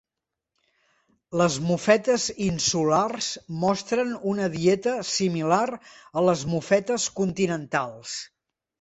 Les mofetes insulars mostren una dieta similar a les mofetes continentals.